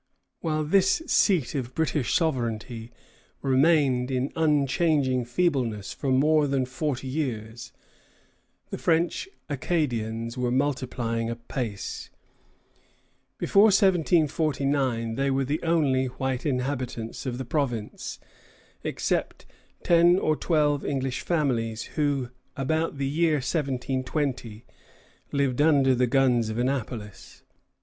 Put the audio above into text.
While this seat of British sovereignty remained in unchanging feebleness for more than forty years, the French Acadians were multiplying apace. Before 1749 they were the only white inhabitants of the province, except ten or twelve English families who, about the year 1720, lived under the guns of Annapolis.